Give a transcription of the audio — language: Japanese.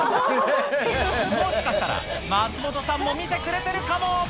もしかしたら、松本さんも見てくれてるかも。